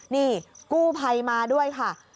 นี่กู้ภัยมาด้วยค่ะ